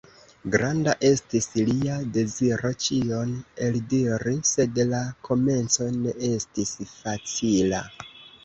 Granda estis lia deziro ĉion eldiri, sed la komenco ne estis facila!